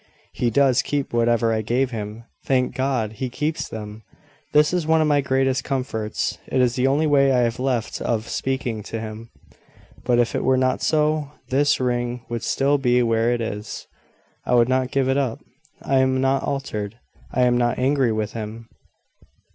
"He does keep whatever I gave him. Thank God! he keeps them. This is one of my greatest comforts: it is the only way I have left of speaking to him. But if it were not so, this ring would still be where it is. I would not give it up. I am not altered. I am not angry with him.